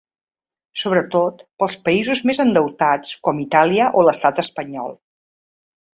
Sobretot, per als països més endeutats, com Itàlia o l’estat espanyol.